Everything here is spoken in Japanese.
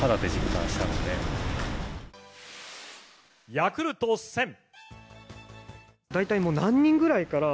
ヤクルト１０００。